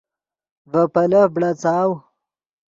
ڤے پیلف بڑاڅاؤ